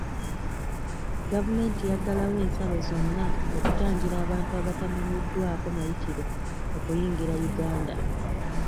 Gavumenti yaggalawo ensalo zonna okutangira abantu abatamanyiddwako mayitire okuyingira Uganda.